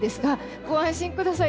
ご安心ください。